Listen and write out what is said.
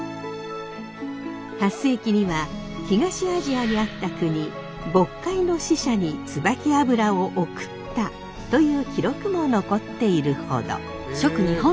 ８世紀には東アジアにあった国渤海の使者につばき油を贈ったという記録も残っているほど。